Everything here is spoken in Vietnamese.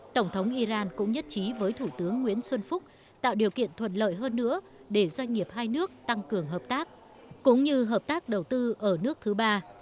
tổng thống iran cũng nhất trí với thủ tướng nguyễn xuân phúc tạo điều kiện thuận lợi hơn nữa để doanh nghiệp hai nước tăng cường hợp tác cũng như hợp tác đầu tư ở nước thứ ba